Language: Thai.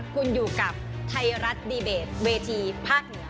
คุณอยู่กับไทยรัฐดีเบตเวทีภาคเหนือ